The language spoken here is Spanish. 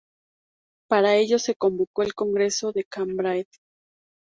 Para ello se convocó el Congreso de Cambrai.